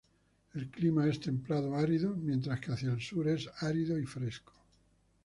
El clima es templado-árido, mientras que hacia el sur es árido y fresco.